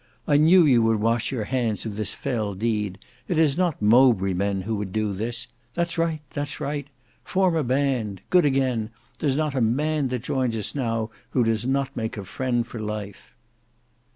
I knew you would wash your hands of this fell deed. It is not Mowbray men who would do this. That's right, that's right! Form a band. Good again. There's not a man that joins us now who does not make a friend for life."